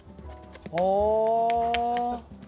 ああ！